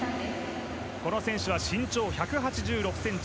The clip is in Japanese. この選手は身長１８６ｃｍ。